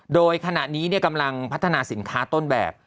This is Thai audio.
โดยขณะนี้กำลังพัฒนาสินค้าต้นแบบ